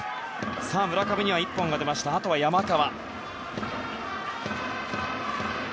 村上には１本が出ましてあとは山川。